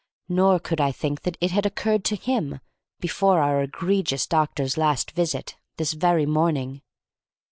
Nor could I think that it had occurred to him before our egregious doctor's last visit, this very morning.